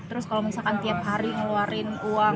terus kalau misalkan tiap hari ngeluarin uang dua belas